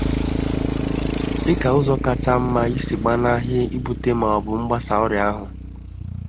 dịka ụzọ kacha mma isi gbanahị ibute maọbụ mgbasa ọrịa ahụ